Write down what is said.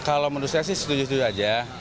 kalau menurut saya setuju saja